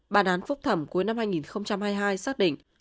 bản án phúc thẩm cuối năm hai nghìn hai mươi hai xác định